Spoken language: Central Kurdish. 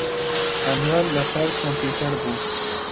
ئەنوەر لەسەر کۆمپیوتەر بوو.